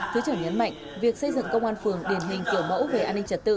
thứ trưởng nhấn mạnh việc xây dựng công an phường điển hình kiểu mẫu về an ninh trật tự